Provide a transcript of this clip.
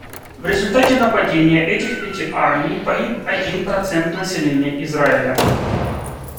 В результате нападения этих пяти армий погиб один процент населения Израиля.